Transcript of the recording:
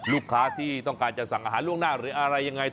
ลูกค้าที่ต้องการจะสั่งอาหารล่วงหน้าหรืออะไรยังไง